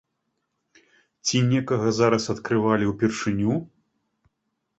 Ці некага зараз адкрывалі ўпершыню?